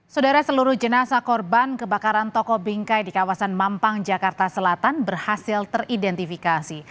saudara seluruh jenazah korban kebakaran toko bingkai di kawasan mampang jakarta selatan berhasil teridentifikasi